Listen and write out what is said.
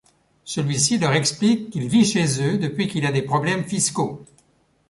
Celui-ci leur explique qu'il vit chez eux depuis qu'il a des problèmes fiscaux.